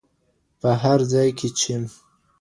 په هر ځای کې چې